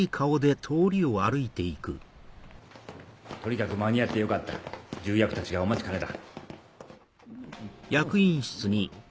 とにかく間に合ってよかった重役たちがお待ちかねだ。